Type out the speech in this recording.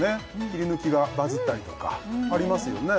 キリヌキがバズったりとかありますよね